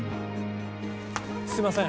すいません